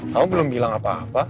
kamu belum bilang apa apa